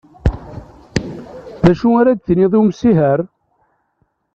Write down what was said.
D acu ara d tiniḍ i umsiher?